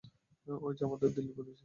ওই যে আমাদের দিল্লির প্রতিবেশী।